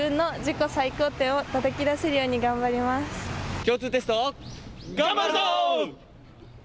共通テスト、頑張るぞ。